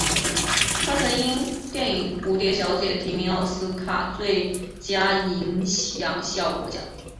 他曾因电影蝴蝶小姐提名奥斯卡最佳音响效果奖。